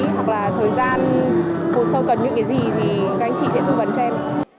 hoặc là thời gian hồ sơ cần những cái gì thì các anh chị sẽ tư vấn cho em